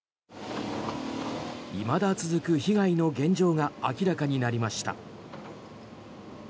いまだ続く被害の現状が明らかになりました。